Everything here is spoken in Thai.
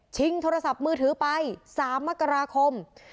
โทรศัพท์มือถือไป๓มกราคม